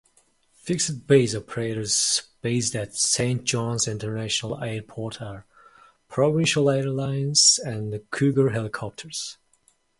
Fixed-base operators based at Saint John's International Airport are Provincial Airlines and Cougar Helicopters.